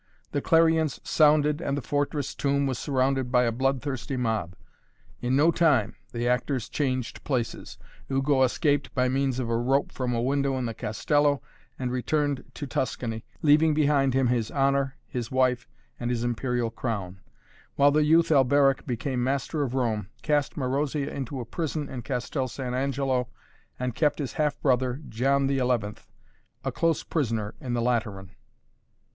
The clarions sounded and the fortress tomb was surrounded by a blood thirsty mob. In no time the actors changed places. Ugo escaped by means of a rope from a window in the castello and returned to Tuscany, leaving behind him his honor, his wife and his imperial crown, while the youth Alberic became master of Rome, cast Marozia into a prison in Castel San Angelo and kept his half brother, John XI., a close prisoner in the Lateran.